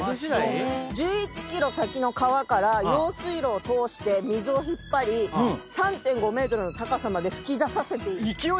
１１ｋｍ先の川から用水路を通して水を引っ張り３．５ｍの高さまで噴き出させている。